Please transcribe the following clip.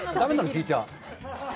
聞いちゃ。